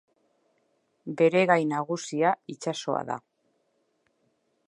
Bere gai nagusia itsasoa da.